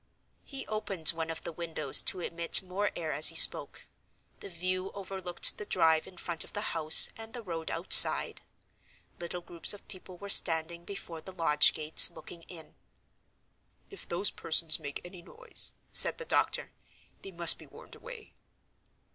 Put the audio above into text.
He opened one of the windows to admit more air as he spoke. The view overlooked the drive in front of the house and the road outside. Little groups of people were standing before the lodge gates, looking in. "If those persons make any noise," said the doctor, "they must be warned away."